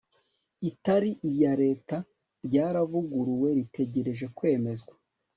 itari iya leta ryaravuguruwe ritegereje kwemezwa